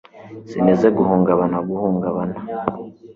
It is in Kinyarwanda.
sinteze guhungabana guhungabana